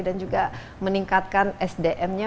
dan juga meningkatkan sdm nya